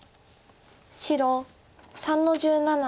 白３の十七。